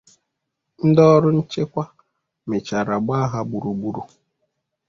Ndị ọrụ nchekwa mechara gbaa ha gburugburu